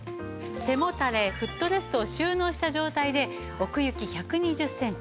背もたれフットレストを収納した状態で奥行き１２０センチ。